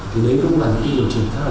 thì đấy cũng là những điều chỉnh khá là lớn